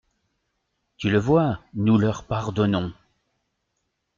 Tu le vois, nous leur pardonnons.